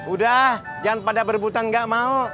udah jangan pada berbutang nggak mau